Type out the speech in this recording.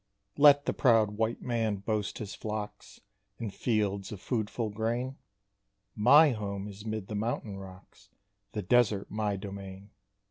_ Let the proud white man boast his flocks, And fields of foodful grain; My home is 'mid the mountain rocks, The desert my domain.